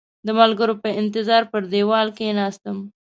د ملګرو په انتظار پر دېوال کېناستم.